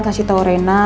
kasih tau rena